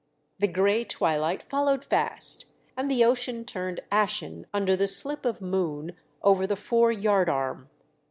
The grey twilight followed fast, and the ocean turned ashen under the slip of moon over the fore yard arm.